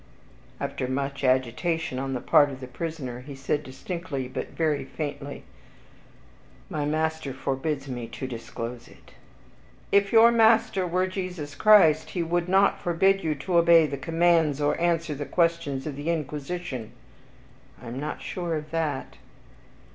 After much agitation on the part of the prisoner, he said distinctly, but very faintly, "My master forbids me to disclose it." "If your master were Jesus Christ, he would not forbid you to obey the commands, or answer the questions of the Inquisition." "I am not sure of that."